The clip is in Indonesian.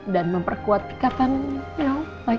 dan memperkuat ikatan ya